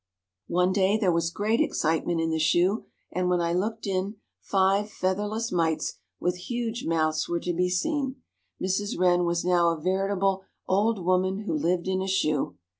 One day there was great excitement in the shoe and, when I looked in, five featherless mites with huge mouths were to be seen. Mrs. Wren was now a veritable "old woman who lived in a shoe."